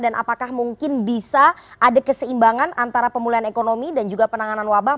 dan apakah mungkin bisa ada keseimbangan antara pemulihan ekonomi dan juga penanganan wabah